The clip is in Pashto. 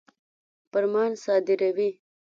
فرمان صادروي.